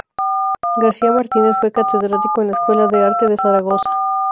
García Martínez fue catedrático en la Escuela de Arte de Zaragoza.